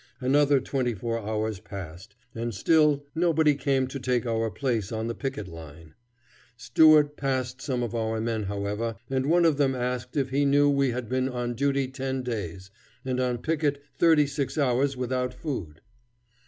Another twenty four hours passed, and still nobody came to take our place on the picket line. Stuart passed some of our men, however, and one of them asked him if he knew we had been on duty ten days, and on picket thirty six hours without food.